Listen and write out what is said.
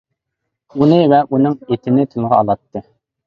ئۇنى ۋە ئۇنىڭ ئېتىنى تىلغا ئالاتتى.